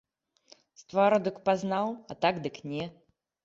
З твару дык пазнаў, а так дык не.